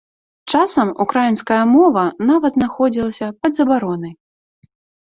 Часам украінская мова нават знаходзілася пад забаронай.